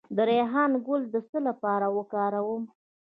د ریحان ګل د څه لپاره وکاروم؟